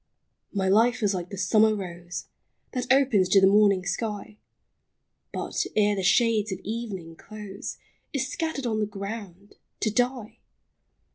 My life is like the summer rose, That opens to the morning sky, But, ere the shades of evening close, Is scattered on the ground — to die